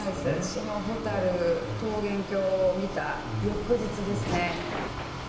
そのホタル桃源郷を見た翌日ですね。